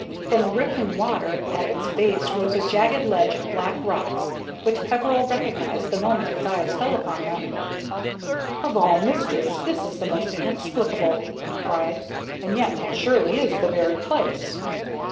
From the rippling water at its base rose a jagged ledge of black rocks, which Peveril recognized the moment his eyes fell upon them. "Of all mysteries this is the most inexplicable!" he cried; "and yet it surely is the very place."